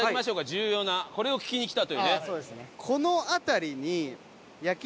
重要なこれを聞きに来たというね。